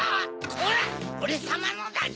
こらオレさまのだぞ！